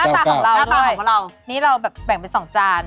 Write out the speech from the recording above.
หน้าตาก่อนเราด้วยนี่เราแบ่งเป็น๒จาน